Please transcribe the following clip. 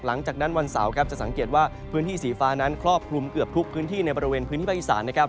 หลังจากนั้นวันเสาร์ครับจะสังเกตว่าพื้นที่สีฟ้านั้นครอบคลุมเกือบทุกพื้นที่ในบริเวณพื้นที่ภาคอีสานนะครับ